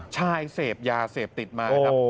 เสพยาเสพติดมาครับ